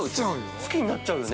◆好きになっちゃうよね。